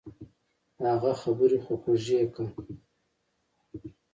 اگه خبرې خو خوږې که.